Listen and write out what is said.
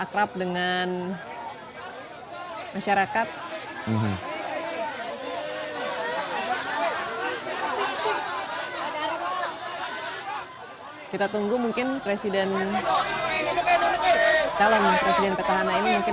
akrab dengan masyarakat kita tunggu mungkin presiden calon presiden petahana ini mungkin